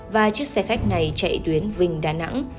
và chiếc xe khách này chạy tuyến vinh đà nẵng